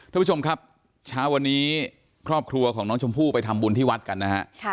ท่านผู้ชมครับเช้าวันนี้ครอบครัวของน้องชมพู่ไปทำบุญที่วัดกันนะฮะ